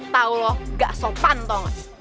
tau lo gak sopan tau gak